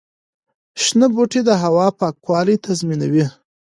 شنه بوټي د هوا پاکوالي تضمینوي.